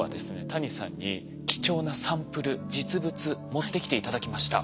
谷さんに貴重なサンプル実物持ってきて頂きました。